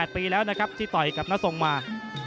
๘ปีแล้วนะครับที่ต่อยกับน้าทรงมา